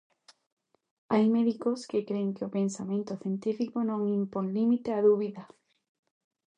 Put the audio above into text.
Hai médicos que cren que o pensamento científico non impón límite á dúbida.